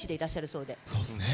そうっすね。